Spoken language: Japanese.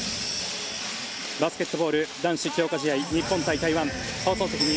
バスケットボール日本強化試合日本対台湾。